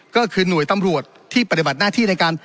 ก็คือหน่วยตำรวจที่ปฏิบัติหน้าที่ในการ